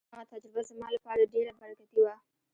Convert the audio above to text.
هغه تجربه زما لپاره ډېره برکتي وه.